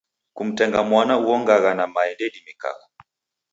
Kumtenga mwana uongagha na mae ndeidimikagha.